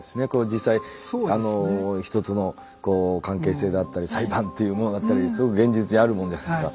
実際あの一つのこう関係性であったり裁判というものがあったりすごく現実にあるもんじゃないですか。